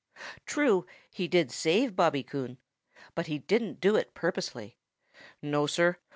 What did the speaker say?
True, he did save Bobby Coon, but he didn't do it purposely. No, Sir.